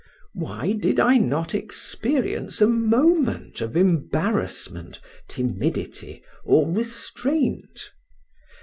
Why did I not experience a moment of embarrassment, timidity or restraint?